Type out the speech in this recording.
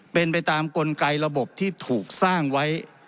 เป็นไปตามกลไกระบบที่ถูกสร้างไว้